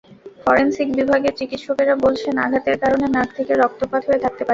Forensic বিভাগের চিকিৎসকেরা বলছেন, আঘাতের কারণে নাক থেকে রক্তপাত হয়ে থাকতে পারে।